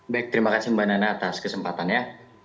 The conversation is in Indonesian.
baik terima kasih mbak nana atas kesempatan ya